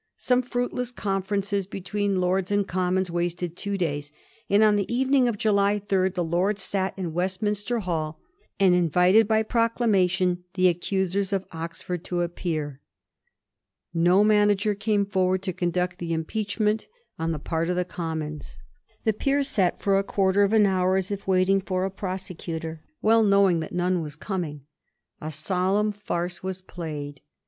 Some firuitless conferences between Lords and Com mons wasted two days, and on the evening of July 3 the Lords sat in Westminster Hall, and invited by pro clamation the accusers of Oxford to appear. No mana ger came forward to conduct the impeachment on the Digiti zed by Google 1717. 'HONOURABLE ACQUITTAL; 22^ part of the Commons. The Peers sat for a quarter of an hour as if waiting for a prosecutor, well knowing that none was coming. A solemn farce was played.